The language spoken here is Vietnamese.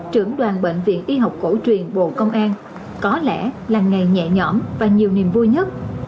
trưởng đoàn bệnh viện y học cổ truyền bộ công an có lẽ là ngày nhẹ nhõm và nhiều niềm vui nhất